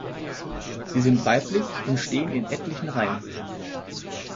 Sie sind weiblich, und stehen in etlichen Reihen.